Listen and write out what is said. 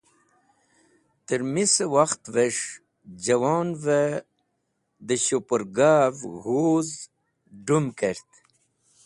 Tẽr misẽ wakhtvẽs̃h jẽwonvẽ dẽ shupẽrgav g̃huz d̃ũm kert.